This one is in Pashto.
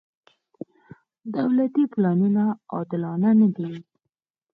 دولتي پلانونه عادلانه نه دي.